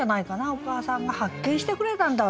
「お母さんが発見してくれたんだ